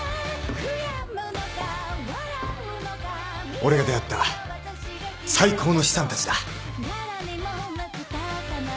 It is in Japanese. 俺が出会った最高の資産たちだ。